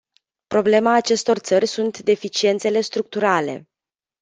Problema acestor țări sunt deficiențele structurale.